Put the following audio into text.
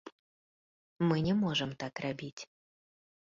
Мы не можам так рабіць.